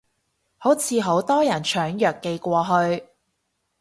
好似好多人搶藥寄過去